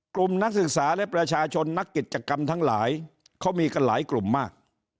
นักศึกษาและประชาชนนักกิจกรรมทั้งหลายเขามีกันหลายกลุ่มมาก